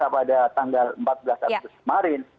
pada tanggal empat belas agustus kemarin